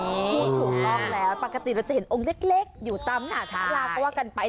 ถูกต้องแล้วปกติเราจะเห็นองค์เล็กอยู่ตามหน้าชาลาก็ว่ากันไป